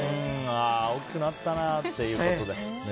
大きくなったなっていうことで。